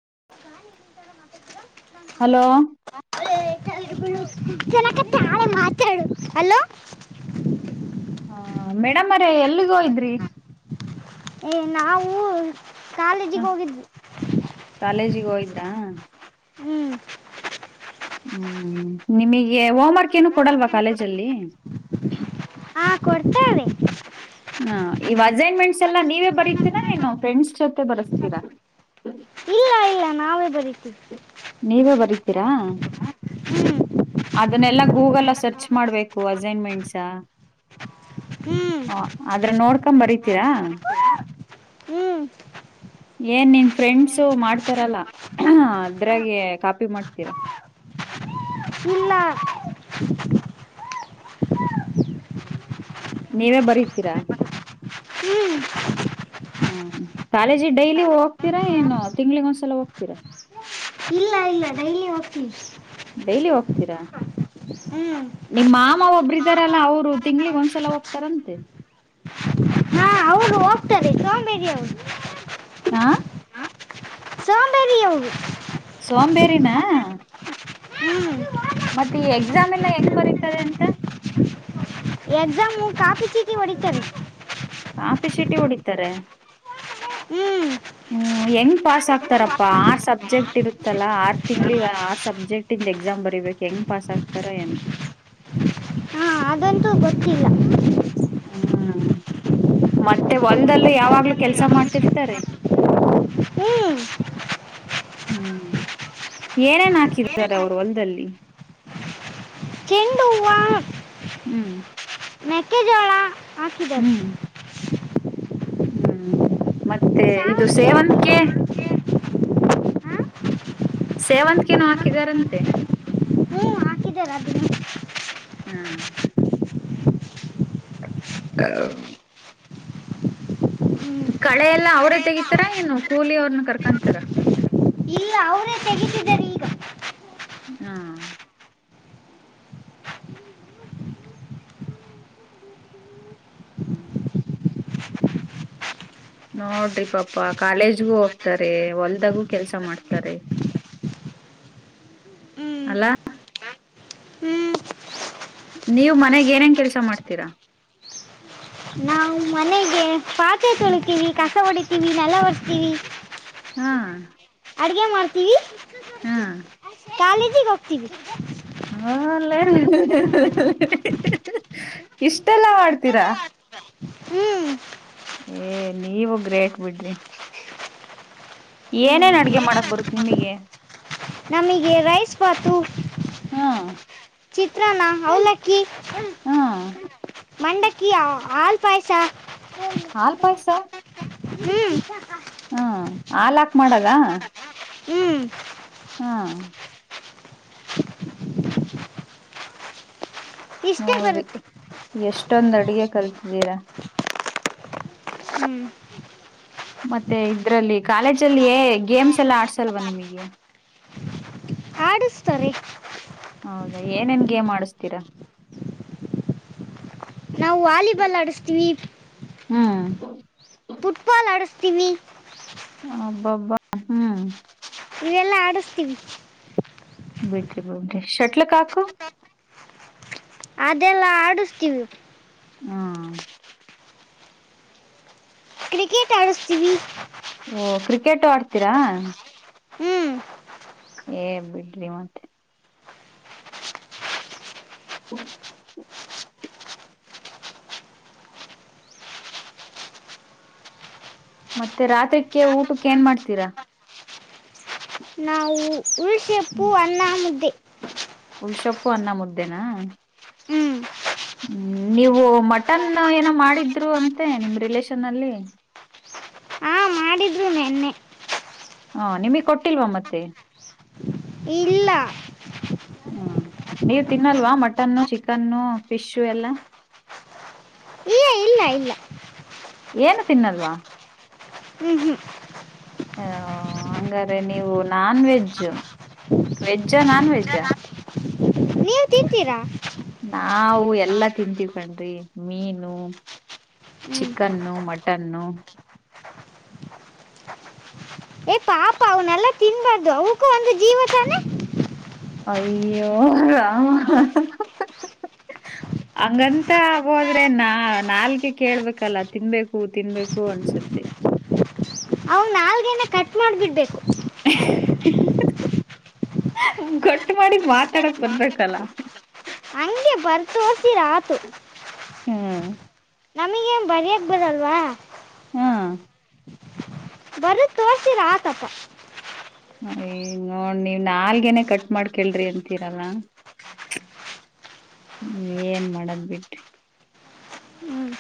[unintelligible] Hello ತಿನಕ್ಕತಿ ಆಳ ಮಾತಾಡು ಅಲೋ ಹ ಮೇಡಮ್ ರೆ ಎಲ್ಲಿಗೋಗಿದ್ರಿ ಏ ನಾವು ಹ ಕಾಲೇಜಿಗ ಹೋಗಿದ್ವಿ ಹೌದಾ ಹ್ಮ್ ಹ್ಮ್ ನಿಮಿಗೆ ಹೋಮ್ವರ್ಕ್ ಏನು ಕೊಡಲ್ವಾ ಕಾಲೇಜಲ್ಲಿ ಹಾ ಕೊಡ್ತಾರೆ ಹ ಇವ ಅಸೈನ್ಮೆಂಟ್ಸ್ ಎಲ್ಲಾ ನೀವೇ ಬರೀತೀರಾ ಏನೋ ಫ್ರೆಂಡ್ಸ್ ಜೊತೆ ಬರಸ್ತೀರಾ ಇಲ್ಲ ಇಲ್ಲ ನಾವೇ ಬರೀತೀವಿ ನೀವೇ ಬರಿತೀರಾ ಅದನ್ನೆಲ್ಲ ಗೂಗಲ್ ಸರ್ಚ್ ಮಾಡಬೇಕು ಅಸೈನ್ಮೆಂಟ್ಸಾ ಹ್ಞೂ ಹ ಆದ್ರ ನೋಡ್ಕೊಂಬ ಬರಿತೀರಾ ಹ್ಞೂ ಹ್ಞೂ ಏನ್ ನಿನ್ ಫ್ರೆಂಡ್ಸು ಮಾಡ್ತಾರಲ್ಲ ಅದ್ರಾಗೆ ಕಾಪಿ ಮಾಡ್ತೀರಾ ಇಲ್ಲ ನೀವೇ ಬರಿತೀರಾ ಹ್ಞೂ ಹ್ಮ್ ಕಾಲೇಜಿಗ ಡೈಲಿ ಹೋಗ್ತೀರಾ ಏನು ತಿಂಗಳಿಗೆ ಒಂದ್ಸಲ ಹೋಗ್ತೀರಾ ಇಲ್ಲ ಇಲ್ಲಾ ಡೈಲಿ ಹೋಗತ್ತಿವಿ ಡೈಲಿ ಹೋಗ್ತೀರಾ ಹ್ಞೂ ನಿಮ್ಮ ಮಾಮ ಒಬ್ರಿದಾರಲ್ಲ ಅವ್ರು ತಿಂಗಳಿಗ ಒಂದ್ಸಲ ಹೋಗ್ತಾರಂತೆ ಹಾ ಅವರ ಹ [unintelligible] ಸೋಂಬೇರಿ ನಾ ಹ್ಞೂ ಮತ್ತೆ ಈ ಎಕ್ಸಾಮ್ ಎಲ್ಲ ಹೆಂಗ ಬರಿತಾರೆ ಅಂತ ಎಕ್ಸಾಮೂ ಕಾಫಿ ಚೀಟಿ ಒಡಿತರೆ ಕಾಪಿ ಚಿಟ್ಟಿ ಹೊಡಿತರೆ ಹ್ಮ್ ಹ್ಮ್ ಹೆಂಗ್ ಪಾಸ್ ಆಗ್ತಾರಪ್ಪಾ ಆರ್ ಸಬ್ಜೆಕ್ಟ್ ಇರುತ್ತಲ್ಲಾ ಆರ್ ತಿಂಗಳಿಗೆ ಆರ್ ಸಬ್ಜೆಕ್ಟ್ ಇ ಎಕ್ಸಾಮ್ ಬರಿಬೇಕ್ ಹೆಂಗ್ ಪಾಸ್ ಆಗ್ತಾರ ಏನ ಹಾ ಅದಂತೂ ಗೊತ್ತ ಹ್ಮ್ ಮತ್ತೆ ಹೊಲ್ದಲ್ಲೂ ಯಾವಾಗ್ಲೂ ಕೆಲ್ಸ ಮಾಡ್ತಿರ್ತಾರೆ ಹ್ಞೂ ಹ್ಮ್ ಏನೇನ್ ಹಾಕಿದಿದ್ದಾರೆ ಅವರು ಹೊಲ್ದಲ್ಲಿ. ಚೆಂಡು ಹೂವು ಹ್ಮ್ ಮೆಕ್ಕೆಜೋಳ ಹಾಕಿದ್ದಾರೆ ಹ್ಮ್ ಹ್ಮ್ ಮತ್ತೆ ಇದು ಸಾವಂತಿಗೆ ಸೇವಂತ್ಕ. ಹಾಕಿದ್ದಾರೆ ಸೇವಂತ್ಕೇನು ಹಾಕಿದಾರಂತೆ. ಹ್ಞೂ ಹಾಕಿದ್ದಾರೆ ಅದನ್ನು ಹಾ ಹ ಹ್ಞೂ ಕಳೆಲ್ಲಾ ಅವ್ರೇ ತೆಗಿತಾರ ಏನ ಕೂಲಿ ಅವ್ರನ್ನ ಕರ್ಕೊತಾರ. ಇಲ್ಲ ಅವರೇ ತೆಗಿತಿದ್ದಾರೆ ಈಗ ಹಾ ಹ್ಮ ನೋಡ್ರಿ ಪಾಪಾ ಕಾಲೇಜ್ಗೂ ಹೋಗ್ತಾರೆ ಹೊಲ್ದಾಗು ಕೆಲ್ಸ ಮಾಡ್ತಾರೆ. ಹ್ಞೂ ಅಲಾ ಹ್ಞೂ ನೀವ ಮನೆಗ್ ಏನೇನ್ ಕೆಲ್ಸ ಮಾಡ್ತೀರಾ. ಪಾತೆ ಹ್ಮ್ ತೊಳಿತೀವಿ ಕಸ ಹೊಡಿತೀವಿ ನೆಲ ವರ್ಸ್ತಿವಿ. ಹ್ಮ ಅಡಗೆ ಮಾಡ್ತೀವಿ. ಕಾಲೀಜಿಗೆ ಹೋಗ್ತವಿ. ಹ್ಮ ಅಲ್ಲ ಇಷ್ಟೆಲ್ಲ ಮಾಡಡ್ತೀರಾ. ಹ್ಮ ಏ ನೀವು ಗ್ರೇಟ್ ಬಿಡ್ರಿ. ಹ್ಞೂ ಏನೇನ್ ಅಡ್ಗೆ ಮಾಡಕ್ ಬರುತ್ ನಿಮಗೆ. ನಮಗೆ ರೈಸ್ ಬಾತು. ಹ್ಮ್ ಚಿತ್ರನಾ ಅವಲಕ್ಕಿ. ಹಾ ಮಂಡಕ್ಕಿ ಹಾಲ್ ಪಾಯಸ. ಹಾಲ್ ಪಾಯಸ. ಹ್ಞೂ ಹ್ಮ ಹಾಲಹಾಕ ಮಾಡದ. ಹ್ಞೂ ಹಾ ಇಷ್ಟೇ ನೋಡ್ರಿ ಬರುತ್ತೆ ಎಷ್ಟೊಂದ್ ಅಡ್ಗೆ ಕಲ್ತಿದ್ದೀರಾ. ಹ್ಞೂ ಮತ್ತೆ ಇದ್ರಲ್ಲಿ ಕಾಲೇಜಲ್ಲಿ ಗೇಮ್ಸ್ ಎಲ್ಲ ಆಡ್ಸಲ್ವಾ ನಿಮಗೆ. [unintelligible] ಆಡಿಸ್ತಾರೆ ಹೌದಾ ಏನೇನ್ ಗೇ ಆಡಿಸತೀರಾ. ನಾವು ವಾಲಿಬಾಲ್ ಆಡಿಸ್ತೀವಿ. ಹ್ಮ್ ಫುಟ್ಬಾಲ್ ಆಡಸ್ತೀನಿ. ಅಬ್ಬ ಅಬ್ಬಾ ಹ್ಮ್. ಇವೆಲ್ಲಾ ಆಡಿಸ್ತೀವಿ. ಬಿಟ್ರಿ ಬಿಟ್ರಿ ಷಟ್ಲ್ ಕಾಕು. ಅದೆಲ್ಲಾ ಆಡಸ್ತೀವಿ. ಹಾ ಕ್ರಿಕೆಟ್ ಆಡಸ್ತೀವಿ. ಓ ಕ್ರಿಕೆಟ್ು ಆಡ್ತೀರಾ. ಹ್ಮ್ ಏ ಬಿಡ್ ರೀ ಮತ್ತೆ. ಹ್ಮ ಮತ್ತೆ ರಾತ್ರಿಕ್ಕೆ ಊಟಕ್ಕೆ ಏನ್ ಮಾಡ್ತೀರಾ. ಉಳಸೆಪ್ಪು ಅನ್ನ ಮುದ್ದೆ. ಉಲ್ಷಪ್ಪು ಅನ್ನ ಮುದ್ದೆನಾ. ಹ್ಮ್ ಹ್ಮ್ ನೀವು ಮಟನ್ ಏನೋ ಮಾಡಿದ್ರು ಅಂತೆ ನಿಮ್ ರಿಲೇೇಶನ್ಲ್. ಆ [unintelligible] ಮಾಡಿದ್ರು ನೆನ್ನೆ ಹಾ ನಿಮಗ್ ಕೊಟ್ಟಿಲ್ವಾ ಮತ್ತೆ ಇಲ್ಲ ಹಾ ನೀವ ತಿನ್ನಲ್ವಾ ಮಟನ್ನು ಚಿಕನ್ನು ಫಿಶು ಎಲ್ಲಾ ಹ ಏನು ತಿನ್ನಲ್ವಾ ಹ್ಮ್ ಹ್ಮ್ ಹ ಹಂಗಾರೆ ನೀವು ನಾನ್ ವೆಜ್ಜ್ು ವೆಜ್ಜಾ ನಾನ್ವೆೆಜ್ಜಾ ತಿನ್ ತರ ನಾವವು ಎಲ್ಲಾ ತಿಂತೀವಿ್ಕೊಂಡ್ರಿ ಮೀನು ಹ್ಮ್ ಚಿಕನ್ನುನ್ನು ಮಟನ್ನು ಏ ಪಾಪ ಅವನ್ನೆಲ್ಲ ತಿನ್ಬಾರ್ದು ಅಕೂ ಒಂದು ಜೀವತಾನೇ ಅಯ್ಯೋ ಆಾಮ ಹಂಗಂತ ಹೋದ್ರೆ ನಾ ನಾಲ್ಗೆ ಕೇಳ್ಬೇಕಲ್ಲ ತಿನ್ಬೇಕು ತಿನ್ಬೇಕು ಅನ್ಸುತ್ತೆ ಹ ಕಲ್ಗೆ ಕಟ್ ಮಾಡಿಬಿಡ್ಬೇಕು ಗಟ್ಟ ಮಾಡಿ ಮಾತಾಡಕ್ ಬಂದಬೇಕಕ್ಲ್ಲ ಬರ್ತೋಸಿರಾತು ಹಾ ನಮಗೇನ್ ಬರಿ ಆಗ್ಬದಲ್ವಾ ಹಾ ಬರುದ ತೋರ್ಸಿರ ಆತಪ್ಪ ನೋ ನೀವ ನಾಲ್ಗೇನೆೇ ಕಟ್ ಮಾಡ್ಕೇಳ್ರಿ ಅಂತೀರಲ್ಲ ಹ್ಮ ಏನ್ ಮಾಡದ್ ಬಿಟ್ರಿ ಹ್ಮ್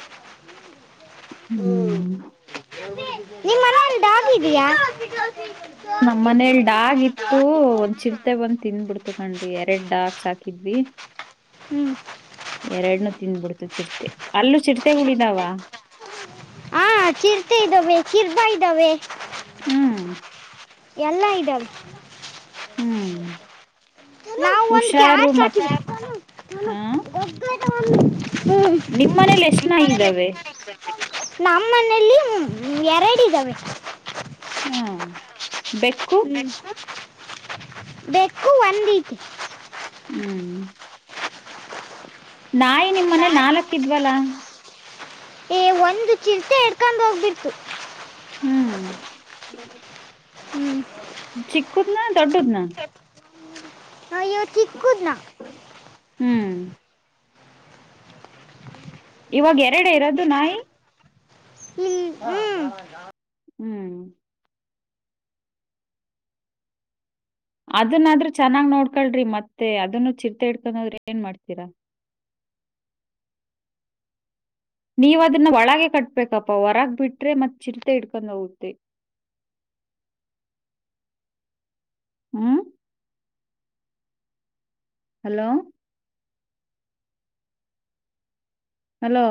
ಹ್ಮ್ ಹಾಗಿದಯಾ ನಮ್ಮ್ ಮನೇಲ್ ಡಾಗ ಇತ್ತು ಒಂದ್ ಚಿರ್ತೆ ಬಂದ್ ತಿನ್ಬಿಡ್ತು ಹಕಂಡ್ರಿ ಎರಡ್ ಡಾರ್ಕ್ಸ್ ಹಾಕಿದ್ವಿ ಹ್ಮ್ ಎರಡ್ನ ತಿಂದ್ಬಿಡ್ತು ಚಿರ್ತೆ ಅಲ್ಲೂ ಚಿರ್ತೆಗಳಿದಾವ ಹ ಚಿರ್ತೆ ಇದ್ದಾವೆ ಚಿರ್ದಾ ಇದ್ದಾವೆ ಹ್ಮ್ ಎಲ್ಲಾ ಇ ನಾವು ಹ್ಮ್ ಒಂದು ಹುಷಾರು ಕ್ಯಾಟ್ಸ್ ಮತ್ ಹಾಕಿದ್ವಿ ಹ್ಮ್ ನಿಮ್ಮ್ ಮನೇಲಿ ಎಷ್ಟ ನ ಇದ್ದಾವೆ ನಮ್ಮ ಮನೇೆಯಲ್ಲಿ ಎರಡು ಇದ್ದಾವೆ ಹಾ ಬೆಕ್ಕು ಬೆೇಕು ಒಂದೀತಿ ಹ್ಮ್ ನಾಯಿ ನಿಮ್ಮನೆೇ ನಾಲ್ಕ್ಕಿದ್ವಲ್ಲ ಒಂದು ಚಿಂತೆ ಇಡ್ಕೊಂಡು ಹೋಗ್ಬಿಡ್ತು ಹ್ಮ್ ಹ್ಮ್ ಚಿಕ್ಕತ್ ನ ದೊಡ್ಡದ ನ ಯ ಿ ಕುೂುದನಾ ಹ್ಮ್ ಇವಾಗ ಎರಡ ಇರೋದು ನಾಯಿ ಇಲ್ಲಿ ಹ್ಮ್ ಹ್ಮ್ ಅದನ್ನಾದ್ರೂ ಚೆನ್ನಾಗ್ ನೋಡ್ಕಳ್ರಿ ಮತ್ತೆ ಅದನ್ನು ಚಿರ್ತೆ ಹಿಡ್ಕೊಂಡೋದ್ರ ಏನ್ ಮಾಡ್ತೀರಾ ನೀವ ಅದನ್ನ ಒಳಗೆ ಕಟ್ಬೇಕಪ್ಪಾ ಹೊರಗ್ ಬಿಟ್ರೆ ಮತ್ ಚಿಲ್ತೆ ಇಡ್ಕೊಂಡ್ ಹೋಗುತ್ತೆ ಹ್ಮ್ ಹಲೋ ಹಲೋ